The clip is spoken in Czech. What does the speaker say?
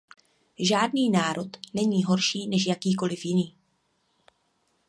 Žádný národ není horší než jakýkoliv jiný.